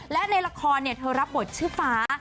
และในละครเธอรับบทชื่อฟ้า